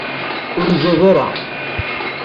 Ur izad ara.